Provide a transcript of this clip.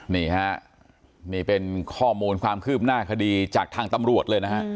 นี่ฮะนี่เป็นข้อมูลความคืบหน้าคดีจากทางตำรวจเลยนะฮะ